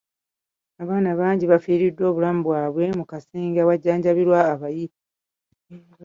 Abaana bangi bafiiriddwa obulamu bwabwe mu kasenge awajjanjabirwa abayi.